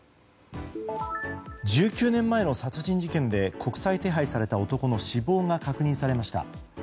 １９年前の殺人事件で国際手配された男の死亡が確認されました。